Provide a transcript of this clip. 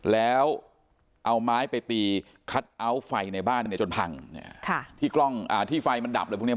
แล้วเอาไม้ไปตีคัทเอาท์ไฟในบ้านจนพังที่ไฟมันดับเลยพรุ่งนี้